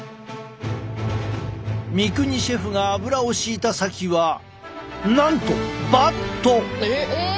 三國シェフが油をしいた先はなんとバット！